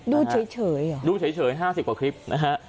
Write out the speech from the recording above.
ดูเฉยเหรอดูเฉย๕๐กว่าคลิปนะฮะ